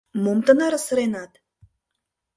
Мом тынаре сыренат?